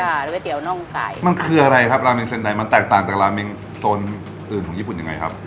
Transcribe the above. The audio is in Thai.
หรือก๋วน่องไก่มันคืออะไรครับราเมงเซนไดมันแตกต่างจากราเมงโซนอื่นของญี่ปุ่นยังไงครับ